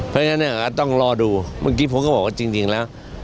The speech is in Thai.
เพราะฉะนั้นต้องรอดูเมื่อกี้ผมก็บอกว่าจริงแล้ว